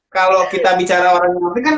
kalau kita bicara orang yang mati kan